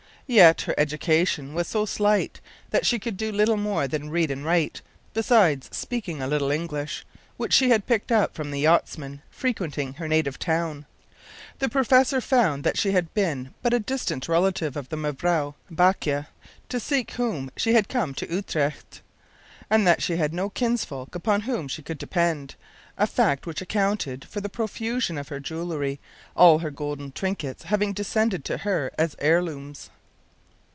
Yet her education was so slight that she could do little more than read and write, besides speaking a little English, which she had picked up from the yachtsmen frequenting her native town. The professor found she had been but a distant relative of the Mevrouw Baake, to seek whom she had come to Utrecht, and that she had no kinsfolk upon whom she could depend a fact which accounted for the profusion of her jewellery, all her golden trinkets having descended to her as heirlooms.